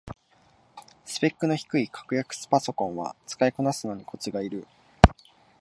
スペックの低い格安パソコンは使いこなすのにコツがいる